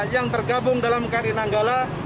yang tergabung dalam kri nanggala